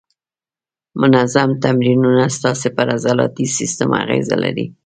منظم تمرینونه ستاسې پر عضلاتي سیستم اغېزه لري.